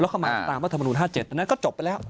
แล้วเขามาตามว่าธรรมนุน๕๗อันนั้นก็จบไปแล้ว